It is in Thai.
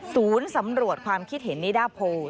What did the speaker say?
ศูนย์สำรวจความคิดเห็นนิดาโพธิ์